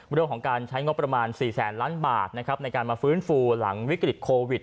เรื่องของการใช้งบประมาณ๔แสนล้านบาทนะครับในการมาฟื้นฟูหลังวิกฤตโควิด